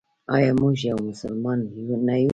آیا موږ یو مسلمان نه یو؟